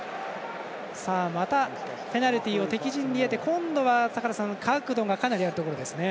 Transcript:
また、ペナルティを敵陣で得て今度は坂田さん角度がかなりあるところですね。